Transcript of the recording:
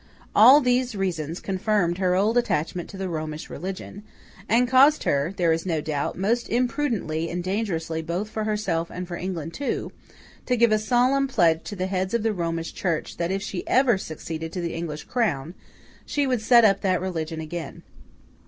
All these reasons confirmed her old attachment to the Romish religion, and caused her, there is no doubt, most imprudently and dangerously both for herself and for England too, to give a solemn pledge to the heads of the Romish Church that if she ever succeeded to the English crown, she would set up that religion again.